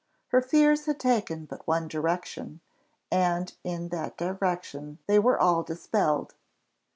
Her fears had taken but one direction, and in that direction they were all dispelled.